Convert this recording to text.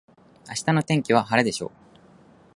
明日の天気は晴れでしょう。